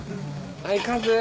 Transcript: はいカズ！